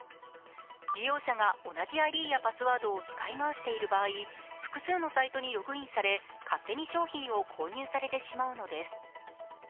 利用者が同じＩＤやパスワードを使い回している場合、複数のサイトにログインされ、勝手に商品を購入されてしまうのです。